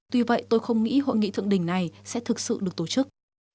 tuy vậy tôi không nghĩ hội nghị thượng đỉnh này sẽ thực sự được tổ chức